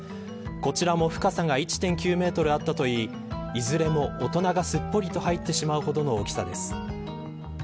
こちらも深さが１．９メートルあったといいいずれも大人がすっぽりと入ってしまうほどの大きさです。